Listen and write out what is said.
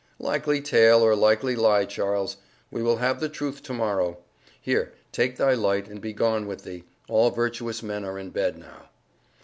"Likely tale, or likely lie, Charles! We will have the truth to morrow. Here, take thy light, and be gone with thee. All virtuous men are in bed now."